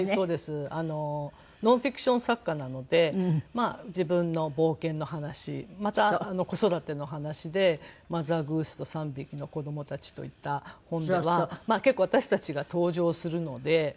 ノンフィクション作家なので自分の冒険の話また子育ての話で『マザー・グースと三匹の子豚たち』といった本では結構私たちが登場するので。